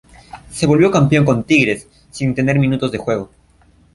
Se volvió campeón con Tigres, sin tener minutos de juego.